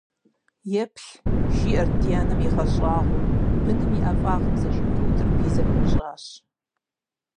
- Еплъ, - жиӀэрт ди анэм игъэщӀагъуэу, - быным и ӀэфӀагъым зэшыпхъуитӀыр бий зэхуищӀащ.